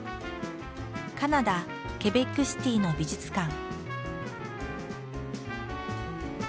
カナダ・ケベックシティの美術館。